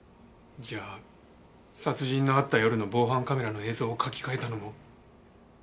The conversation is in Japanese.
じゃあ殺人のあった夜の防犯カメラの映像を書き換えたのも。